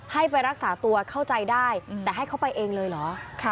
ให้ไปรักษาตัวเข้าใจได้แต่ให้เขาไปเองเลยเหรอ